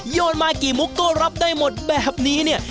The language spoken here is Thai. โยนมากี่มุกโต้รับได้หมดแบบนี้